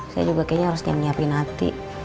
saya juga kayaknya harus diam diam nyiapin hati